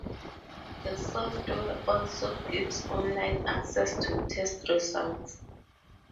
The software also gives online access to test results.